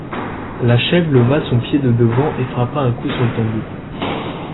La chèvre leva son pied de devant et frappa un coup sur le tambour.